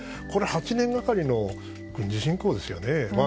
これ、８年がかりの軍事侵攻ですよね。